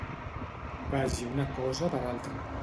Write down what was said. Vagi una cosa per altra.